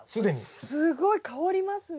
すごい香りますね。